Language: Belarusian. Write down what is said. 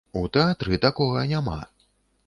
У тэатры такога няма.